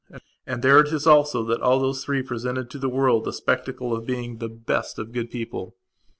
And there it is also that all those three presented to the world the spectacle of being the best of good people.